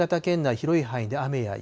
広い範囲で雨や雪。